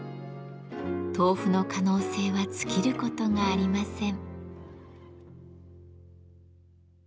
豆腐の可能性は尽きることがありません。